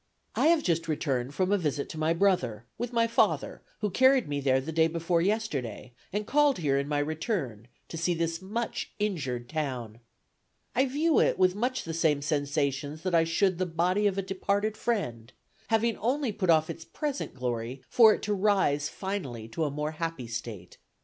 "I have just returned from a visit to my brother, with my father, who carried me there the day before yesterday, and called here in my return, to see this much injured town. I view it with much the same sensations that I should the body of a departed friend having only put off its present glory for to rise finally to a more happy state.